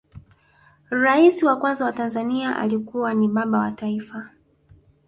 rais wa kwanza wa tanzania alikuwa ni baba wa taifa